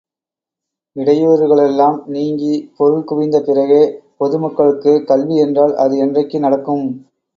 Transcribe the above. இடையூறுகளெல்லாம் நீங்கி, பொருள் குவிந்த பிறகே, பொது மக்களுக்குக் கல்வி என்றால் அது என்றைக்கு நடக்கும்?